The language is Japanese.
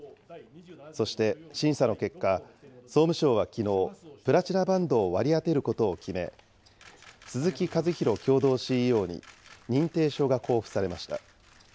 そして審査の結果、総務省はきのう、プラチナバンドを割り当てることを決め、鈴木和洋共同ＣＥＯに認定書が交付されました。